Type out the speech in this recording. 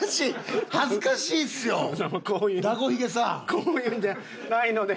こういうんじゃないので。